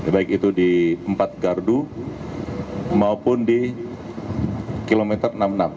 baik itu di empat gardu maupun di kilometer enam puluh enam